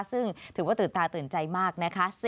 ซึ่งถือว่าตื่นตาตื่นใจมากนะคะ